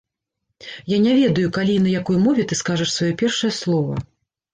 Я ня ведаю, калі і на якой мове ты скажаш сваё першае слова.